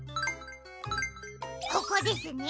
ここですね。